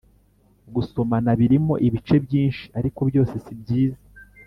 gusomana birimo ibice byinshi ariko byose sibyiza